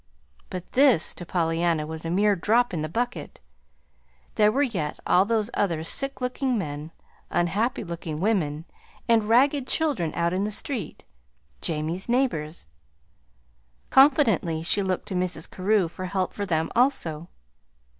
But this, to Pollyanna, was a mere drop in the bucket. There were yet all those other sick looking men, unhappy looking women, and ragged children out in the street Jamie's neighbors. Confidently she looked to Mrs. Carew for help for them, also.